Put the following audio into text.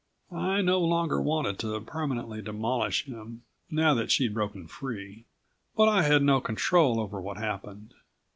I no longer wanted to permanently demolish him, now that she'd broken free. But I had no control over what happened.